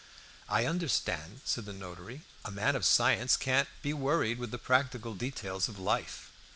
"I understand," said the notary; "a man of science can't be worried with the practical details of life."